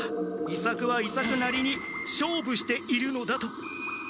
伊作は伊作なりに勝負しているのだと。